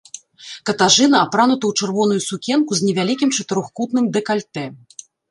Катажына апранута ў чырвоную сукенку з невялікім чатырохкутным дэкальтэ.